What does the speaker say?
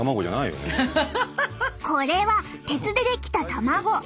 これは鉄で出来た卵。